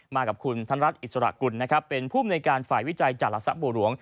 มากับคุณท่านรัฐอิสรกุลเป็นผู้บริการฝ่ายวิจัยจาระสะโบรวง